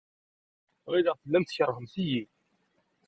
Ɣileɣ tellamt tkeṛhemt-iyi.